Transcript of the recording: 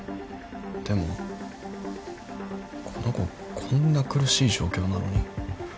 でもこの子こんな苦しい状況なのに。